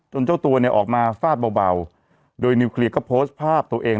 เจ้าตัวเนี่ยออกมาฟาดเบาโดยนิวเคลียร์ก็โพสต์ภาพตัวเอง